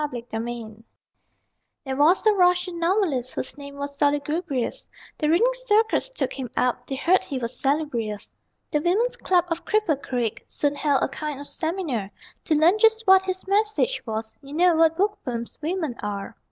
A SYMPOSIUM There was a Russian novelist Whose name was Solugubrious, The reading circles took him up, (They'd heard he was salubrious.) The women's club of Cripple Creek Soon held a kind of seminar To learn just what his message was You know what bookworms women are.